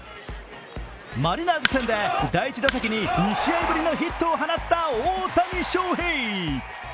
マリナーズ戦で第１打席に２試合ぶりのヒットを放った大谷翔平。